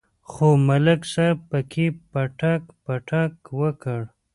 خو ملک صاحب پکې پټک پټک وکړ.